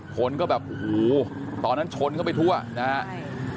คนก็แบบโอ้โหตอนนั้นชนเข้าไปทั่วนะครับ